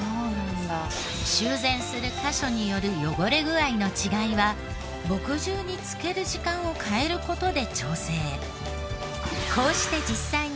修繕する箇所による汚れ具合の違いは墨汁に浸ける時間を変える事で調整。